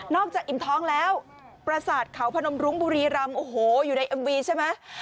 จากอิ่มท้องแล้วประสาทเขาพนมรุ้งบุรีรำโอ้โหอยู่ในเอ็มวีใช่ไหม